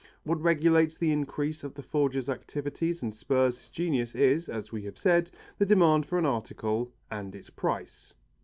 What regulates the increase of the forger's activities and spurs his genius is, as we have said, the demand for an article and its price.